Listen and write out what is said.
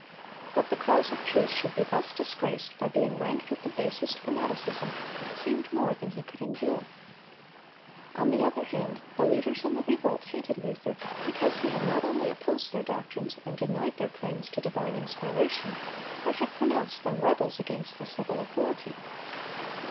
That the cause of truth should be thus disgraced by being ranked with the basest fanaticism, seemed more than he could endure. On the other hand, the leaders in the revolt hated Luther because he had not only opposed their doctrines and denied their claims to divine inspiration, but had pronounced them rebels against the civil authority.